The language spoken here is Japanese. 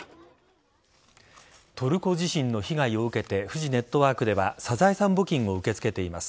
トルコ地震の被害を受けてフジネットワークではサザエさん募金を受け付けています。